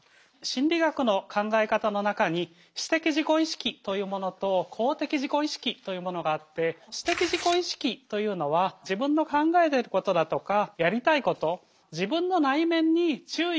心理学の考え方の中に私的自己意識というものと公的自己意識というものがあって私的自己意識というのは自分の考えてることだとかやりたいこと自分の内面に注意がいきやすい傾向のことです。